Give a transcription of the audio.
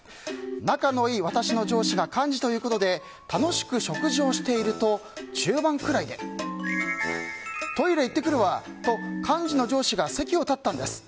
仲のいい私の上司が幹事ということで楽しく食事をしていると中盤くらいでトイレ行ってくるわと幹事の上司が席を立ったんです。